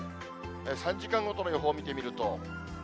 ３時間ごとの予報見てみると。